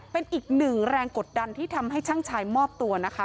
เป็นอีกหนึ่งแรงกดดันที่ทำให้ช่างชายมอบตัวนะคะ